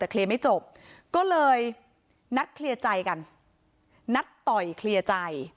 แต่เคลียร์ไม่จบก็เลยนัดเคลียร์ใจกันนัดต่อยเคลียร์ใจ